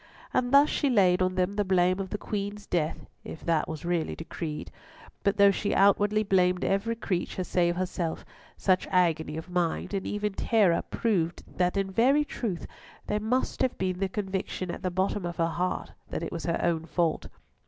And thus she laid on them the blame of the Queen's death (if that was really decreed), but though she outwardly blamed every creature save herself, such agony of mind, and even terror, proved that in very truth there must have been the conviction at the bottom of her heart that it was her own fault.